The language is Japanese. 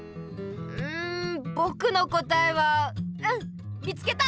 んぼくのこたえはうん見つけた！